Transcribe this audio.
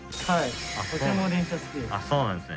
とても電車好きです。